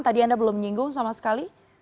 tadi anda belum menyinggung sama sekali